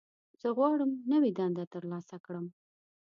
زه غواړم نوې دنده ترلاسه کړم.